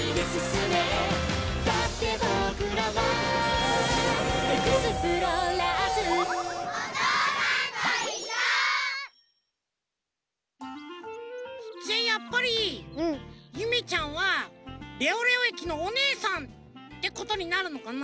「だって僕らは」「エクスプローラーズ！！」じゃあやっぱりゆめちゃんはレオレオえきのおねえさんってことになるのかな？